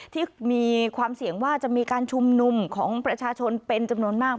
ที่มีความเสี่ยงว่าจะมีการชุมนุมของประชาชนเป็นจำนวนมาก